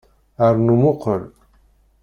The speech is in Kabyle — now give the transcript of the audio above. Rnu muqel.